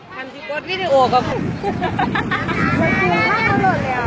ท่านที่กดวีดีโอกับ